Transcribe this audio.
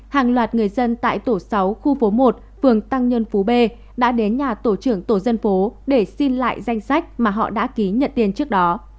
hàng loạt người dân tại tổ sáu khu phố một phường tăng nhân phú b đã đến nhà tổ trưởng tổ dân phố để xin lại danh sách mà họ đã ký nhận tiền trước đó